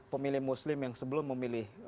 pemilih muslim yang sebelum memilih